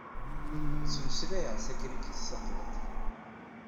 Ttmeslayeɣ tagrigit taqbuṛt.